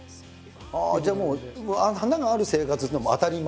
じゃあもう花がある生活っていうのはもう当たり前。